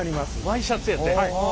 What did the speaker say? ワイシャツやて。